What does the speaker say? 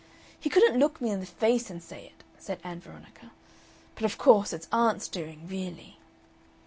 "He couldn't look me in the face and say it," said Ann Veronica. "But of course it's aunt's doing really."